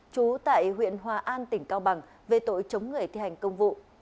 trú tại huyện hòa an tỉnh cao bằng về tội chống người thi hành công vụ